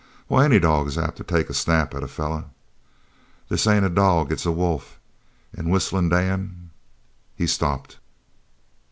"Why, any dog is apt to take a snap at a feller." "This ain't a dog. It's a wolf. An' Whistlin' Dan " he stopped.